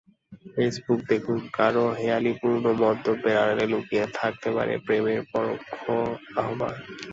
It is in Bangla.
ফেসবুক দেখুন— কারও হেঁয়ালিপূর্ণ মন্তব্যের আড়ালে লুকিয়ে থাকতে পারে প্রেমের পরোক্ষ আহ্বান।